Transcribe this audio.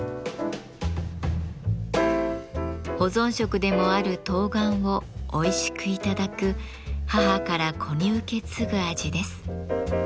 保存食でもある冬瓜をおいしく頂く母から子に受け継ぐ味です。